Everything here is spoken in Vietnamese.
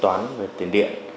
toán về tiền điện